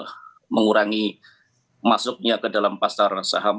jadi investor asing juga mengurangi masuknya ke dalam pasar saham